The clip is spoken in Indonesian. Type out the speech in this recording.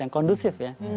yang kondusif ya